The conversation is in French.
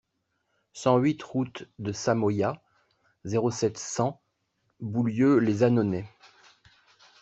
cent huit route de Samoyas, zéro sept, cent, Boulieu-lès-Annonay